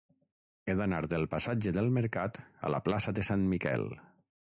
He d'anar del passatge del Mercat a la plaça de Sant Miquel.